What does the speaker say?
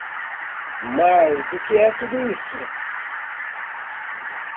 Mas o que é tudo isso?